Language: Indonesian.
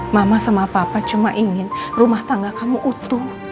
mama sama papa cuma ingin rumah tangga kamu utuh